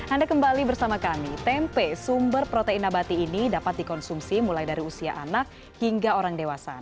anda kembali bersama kami tempe sumber protein abati ini dapat dikonsumsi mulai dari usia anak hingga orang dewasa